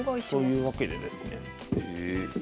というわけでですね。